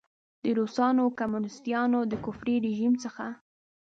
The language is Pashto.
د روسانو او کمونیسټانو د کفري رژیم څخه.